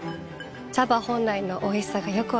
茶葉本来のおいしさがよく分かります。